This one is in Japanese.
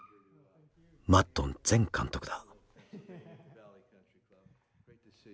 マッドン前監督だ。